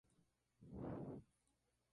Sin embargo, nunca ha sido cuestionada.